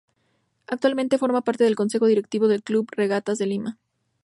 Actualmente, forma parte del Consejo Directivo del club Regatas Lima.